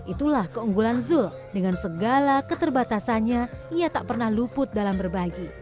itulah keunggulan zul dengan segala keterbatasannya ia tak pernah luput dalam berbagi